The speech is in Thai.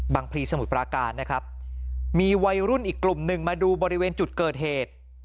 พลีสมุทรปราการนะครับมีวัยรุ่นอีกกลุ่มหนึ่งมาดูบริเวณจุดเกิดเหตุ